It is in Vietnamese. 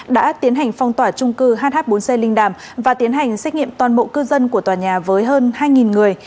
đã tiến hành phong tỏa trung cư hh bốn c linh đàm và tiến hành xét nghiệm toàn bộ cư dân của tòa nhà với hơn hai người